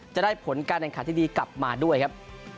จะได้ผลการแข่งขันที่ดีกลับมาด้วยครับ